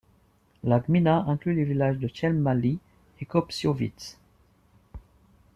La gmina inclut les villages de Chełm Mały et Kopciowice.